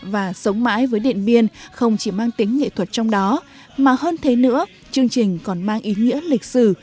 và sống mãi với điện biên không chỉ mang tính nghệ thuật trong đó mà hơn thế nữa chương trình còn mang ý nghĩa lịch sử